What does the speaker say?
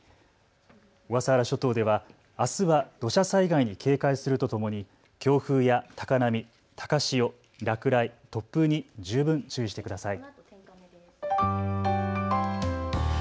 小笠原諸島ではあすは土砂災害に警戒するとともに強風や高波、高潮、落雷、突風に十分注意してください。